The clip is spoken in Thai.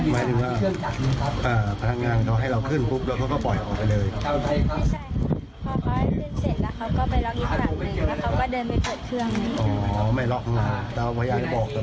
ราวเหล็กบอกแต่ว่าไม่ทันที่เขาขึ้นหมายถึงว่าอ่าพนักงานเขาให้เราขึ้นปุ๊บ